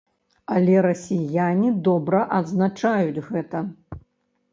Але расіяне добра адзначаюць гэта.